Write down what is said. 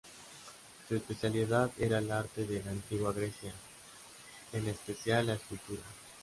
Su especialidad era el arte de la Antigua Grecia, en especial la escultura.